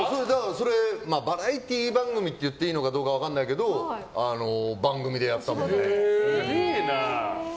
それ、バラエティー番組って言っていいのか分からないけど番組でやったのね。